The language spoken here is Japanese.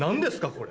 これ。